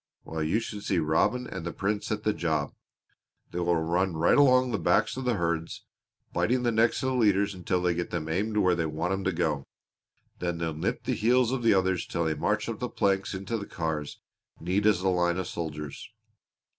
Well, you should see Robin and the Prince at the job. They will run right along the backs of the herd, biting the necks of the leaders until they get them aimed where they want 'em to go; then they'll nip the heels of the others till they march up the planks into the cars neat as a line of soldiers.